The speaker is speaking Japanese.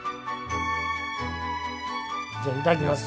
じゃいただきます。